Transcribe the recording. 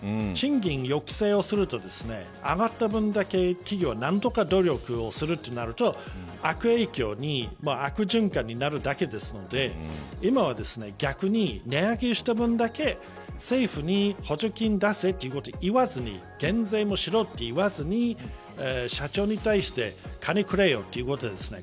賃金抑制をすると上がった分だけ企業は何とか努力をするとなると悪影響に悪循環になるだけなので今は、逆に値上げした分だけ政府に補助金を出せということを言わずに減税もしろと言わずに社長に対して金くれよということですね